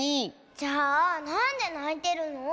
じゃあなんでないてるの？